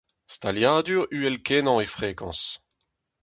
Staliadur uhel-kenañ e frekañs.